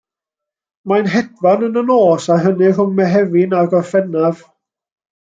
Mae'n hedfan yn y nos a hynny rhwng Mehefin a Gorffennaf.